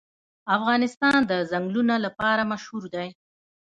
افغانستان د ځنګلونه لپاره مشهور دی.